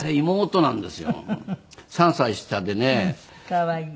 可愛い。